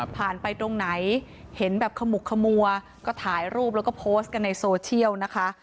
ไปตรงไหนเห็นแบบขมุกขมัวก็ถ่ายรูปแล้วก็โพสต์กันในโซเชียลนะคะ